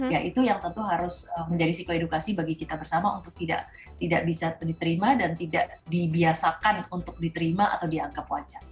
ya itu yang tentu harus menjadi siklo edukasi bagi kita bersama untuk tidak bisa diterima dan tidak dibiasakan untuk diterima atau dianggap wajar